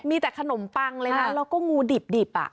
มีแต่ขนมปังเลยนะแล้วก็งูดิบ